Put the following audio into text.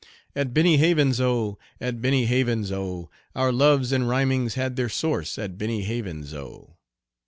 At Benny Havens' O, at Benny Havens' O, Our loves and rhymings had their source at Benny Havens' O.